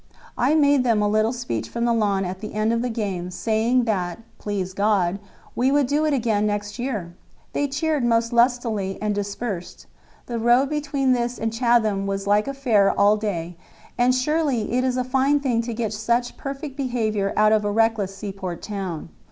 I made them a little speech from the lawn at the end of the games, saying that, please God, we would do it again next year. They cheered most lustily and dispersed. The road between this and Chatham was like a fair all day; and surely it is a fine thing to get such perfect behaviour out of a reckless seaport town."